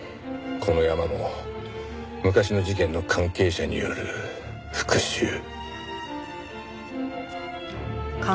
このヤマも昔の事件の関係者による復讐。